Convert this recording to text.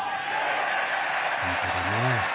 本当だね。